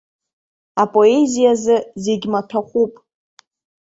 Апоезиазы зегь маҭәахәуп.